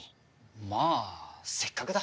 まあせっかくだ。